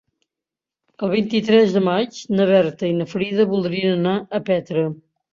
El vint-i-tres de maig na Berta i na Frida voldrien anar a Petra.